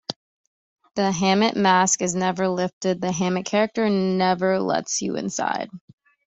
The Hammett mask is never lifted; the Hammett character never lets you inside.